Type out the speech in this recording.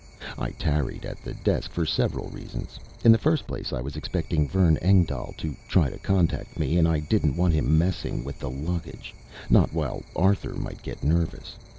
I tarried at the desk for several reasons. In the first place, I was expecting Vern Engdahl to try to contact me and I didn't want him messing with the luggage not while Arthur might get nervous.